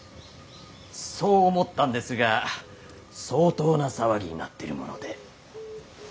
そう思ったんですが相当な騒ぎになってるもので。